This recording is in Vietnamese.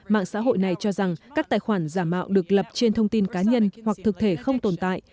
mạng xã hội này cho rằng các tài khoản giả mạo được lập trên thông tin cá nhân hoặc thực thể không tồn tại